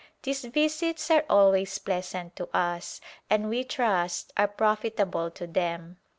These visits are always pleasant to us and we trust are profit able to them.